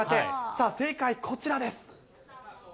さあ、正解、こちらです。